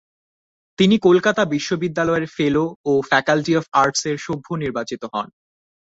তিনি কলকাতা বিশ্ববিদ্যালয়ের ‘ফেলো’ ও ‘ফ্যাকাল্টি অব আর্টস’-এর সভ্য নির্বাচিত হন।